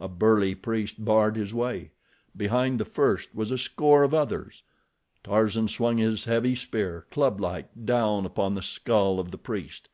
A burly priest barred his way. Behind the first was a score of others. Tarzan swung his heavy spear, clublike, down upon the skull of the priest.